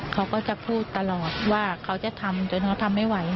เขาก็จะพูดตลอดว่าเขาจะทำจนเขาทำไม่ไหว